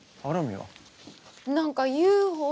何かＵＦＯ